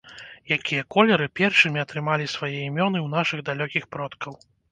Якія колеры першымі атрымалі свае імёны ў нашых далёкіх продкаў?